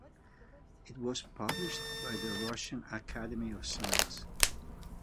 It was published by the Russian Academy of Sciences.